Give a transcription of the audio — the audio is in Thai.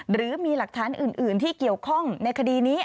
หรือมีหลักฐานอื่นที่เกี่ยวข้องในคดีนี้